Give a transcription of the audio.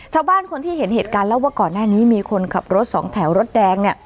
ชาวบ้านคนที่เห็นเหตุการณ์เล่าว่าก่อนหน้านี้มีคนขับรถสองแถวรถแดงเนี่ย